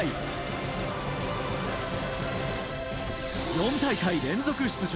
４大会連続出場